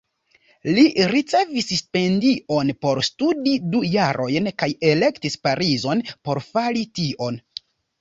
Li ricevis stipendion por studi du jarojn kaj elektis Parizon por fari tion.